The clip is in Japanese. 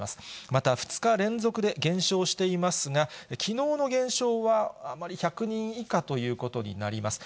また２日連続で減少していますが、きのうの減少はあまり１００人以下ということになります。